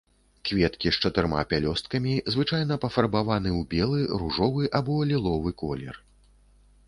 Кветкі з чатырма пялёсткамі, звычайна пафарбаваны ў белы, ружовы або ліловы колер.